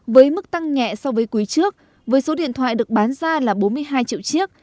với mức tăng nhẹ so với quý trước với số điện thoại được bán ra là bốn mươi hai triệu chiếc